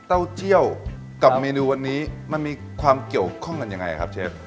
เจี่ยวกับเมนูวันนี้มันมีความเกี่ยวข้องกันยังไงครับเชฟ